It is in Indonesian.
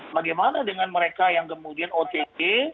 bagaimana dengan mereka yang kemudian ott